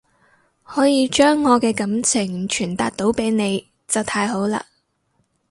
可以將我嘅感情傳達到俾你就太好喇